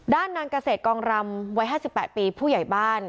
ด้านนางเกษตรกองรำวัย๕๘ปีผู้ใหญ่บ้าน